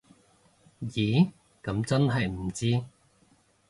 咦噉真係唔知